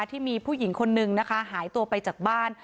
ที่มีผู้หญิงคนนึงนะคะหายตัวไปจากบ้าน